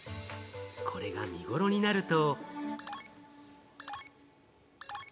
これが見頃になると。